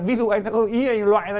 ví dụ anh có ý anh loại ra